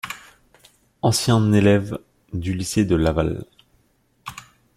Ancien élève du lycée de Laval.